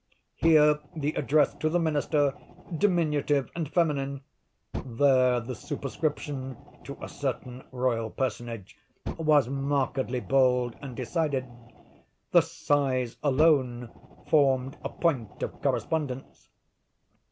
Here, the address, to the Minister, diminutive and feminine; there the superscription, to a certain royal personage, was markedly bold and decided; the size alone formed a point of correspondence.